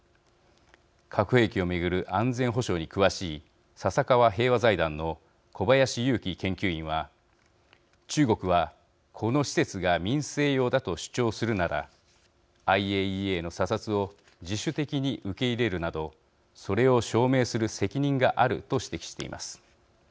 核兵器を巡る安全保障に詳しい笹川平和財団の小林祐喜研究員は中国はこの施設が民生用だと主張するならＩＡＥＡの査察を自主的に受け入れるなどそれを証明する責任があると指摘しています。